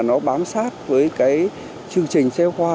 nó bám sát với cái chương trình xe khoa